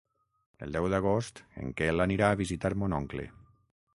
El deu d'agost en Quel anirà a visitar mon oncle.